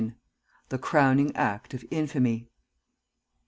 THE CROWNING ACT OF INFAMY.